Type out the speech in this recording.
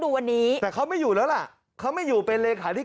ดูวันนี้แต่เขาไม่อยู่แล้วล่ะเขาไม่อยู่เป็นเลขาที่